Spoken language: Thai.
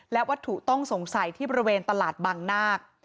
และวัตถุต้องสงสัยที่บริเวณตลาดบางนาค